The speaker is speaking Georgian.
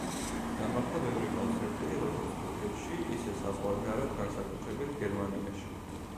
გამართა ბევრი კონცერტი, როგორც თურქეთში, ისე საზღვარგარეთ, განსაკუთრებით გერმანიაში.